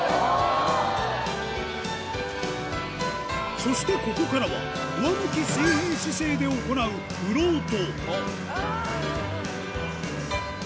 そしてここからは、上向き水平姿勢で行うフロート。